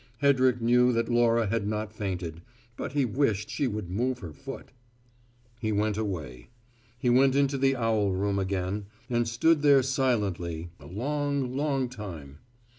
Hedrick knew that Laura had not fainted, but he wished she would move her foot. He went away. He went into the owl room again, and stood there silently a long, long time.